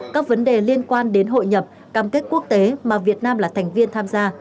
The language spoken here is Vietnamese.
các vấn đề liên quan đến hội nhập cam kết quốc tế mà việt nam là thành viên tham gia